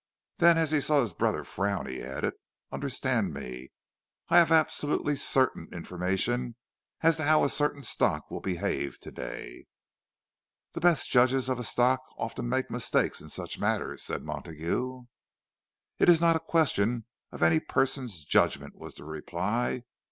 Then, as he saw his brother frown, he added, "Understand me, I have absolutely certain information as to how a certain stock will behave to day." "The best judges of a stock often make mistakes in such matters," said Montague. "It is not a question of any person's judgment," was the reply.